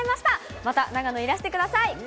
また、長野いらしてください。